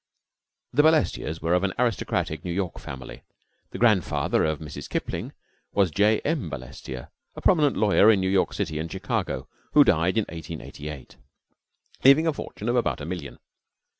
The Balestiers were of an aristocratic New York family; the grandfather of Mrs. Kipling was J. M. Balestier, a prominent lawyer in New York City and Chicago, who died in 1888, leaving a fortune of about a million.